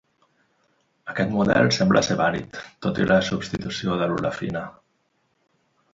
Aquest model sembla ser vàlid tot i la substitució de l'olefina.